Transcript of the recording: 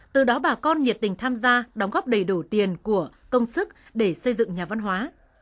từ đó bà con nhiệt tình tham gia đóng góp đầy đủ tiền của công sức để xây dựng nhà văn hóa